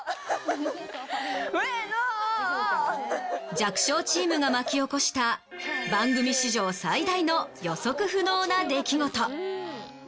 弱小チームが巻き起こした番組史上最大の予測不能な出来事。